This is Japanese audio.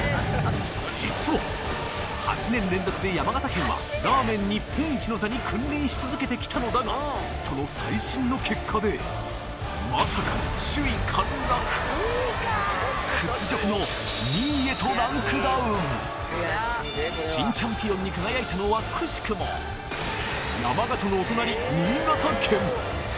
実は８年連続で山形県はラーメン日本一の座に君臨し続けてきたのだがその最新の結果でまさかの首位陥落へとランクダウン新チャンピオンに輝いたのは奇しくも山形のお隣新潟県！